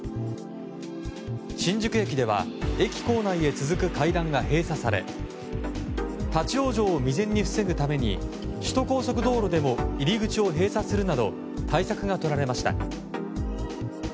新宿駅では駅構内へ続く階段が閉鎖され立ち往生を未然に防ぐために首都高速道路でも入り口を閉鎖するなど対策がとられました。